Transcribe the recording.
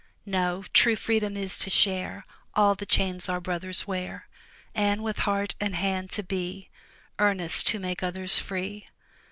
No! true freedom is to share All the chains our brothers wear, And, with heart and hand, to be Earnest to make others free!